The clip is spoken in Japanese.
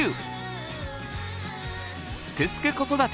「すくすく子育て」